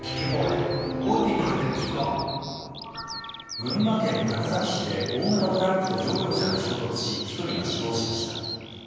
群馬県高崎市で大型トラックと乗用車が衝突し１人が死亡しました。